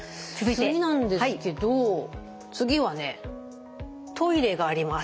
次なんですけど次はねトイレがあります。